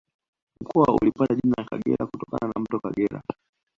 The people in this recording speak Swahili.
Mkoa ulipata jina la Kagera kutokana na Mto Kagera